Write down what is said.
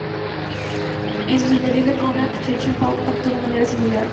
En su señorío de Connacht, Richard Og actuó de manera similar.